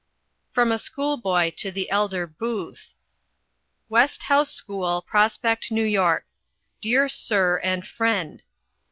From a school boy to the elder Booth: "West House School. Prospect N.Y. "Dear Sur and Frend.